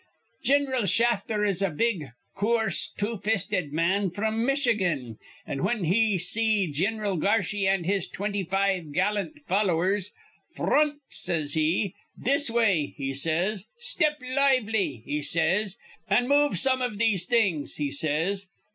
"Gin'ral Shafter is a big, coorse, two fisted man fr'm Mitchigan, an', whin he see Gin'ral Garshy an' his twinty five gallant followers, 'Fr ront,' says he. 'This way,' he says, 'step lively,' he says, 'an' move some iv these things,' he says.